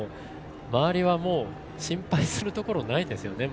周りは心配するところないですね。